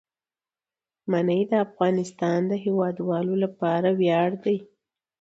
منی د افغانستان د هیوادوالو لپاره ویاړ دی.